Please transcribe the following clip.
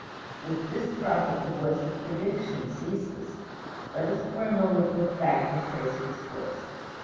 With this prophet the voice of prediction ceases. Let us for a moment look back and trace its course.